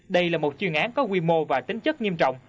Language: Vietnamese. đây là một chuyên án có quy mô và tính chất nghiêm trọng